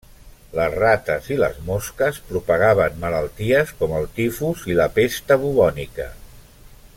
Les rates i les mosques propagaven malalties com el tifus i la pesta bubònica.